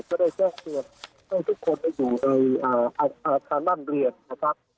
จะได้แจ้งเครียมให้ทุกคนอยู่ในทางด้านเรียนนะครับ